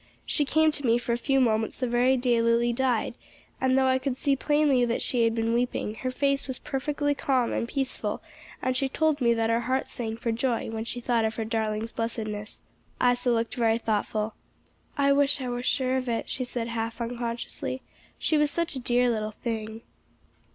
She came to me for a few moments the very day Lily died, and though I could see plainly that she had been weeping, her face was perfectly calm and peaceful; and she told me that her heart sang for joy when she thought of her darling's blessedness." Isa looked very thoughtful. "I wish I were sure of it," she said half unconsciously; "she was such a dear little thing."